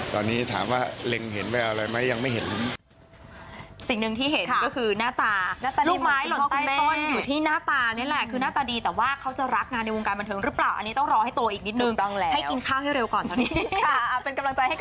ตอนนี้ถามว่าเล็งเห็นแววอะไรไหมยังไม่เห็น